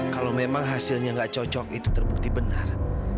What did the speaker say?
kalau memang hasilnya nggak cocok itu terbukti benar